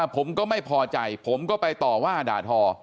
ผมก็ไม่พอใจผมก็ไปต่อว่าด่าทอ